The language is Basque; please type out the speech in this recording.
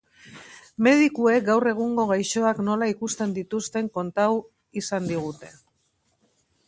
Medikuek gaur egungo gaixoak nola ikusten dituzten kontau izan digute.